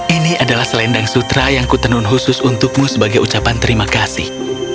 ini adalah selendang sutra yang kutenun khusus untukmu sebagai ucapan terima kasih